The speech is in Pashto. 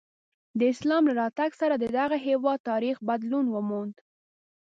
د اسلام له راتګ سره د دغه هېواد تاریخ بدلون وموند.